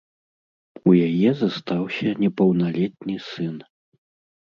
У яе застаўся непаўналетні сын.